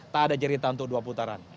tak ada cerita untuk dua putaran